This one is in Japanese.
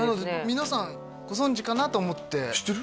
皆さんご存じかなと思って知ってる？